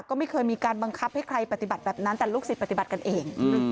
ก็ไม่เคยมีการบังคับให้ใครปฏิบัติแบบนั้นแต่ลูกศิษย์ปฏิบัติกันเอง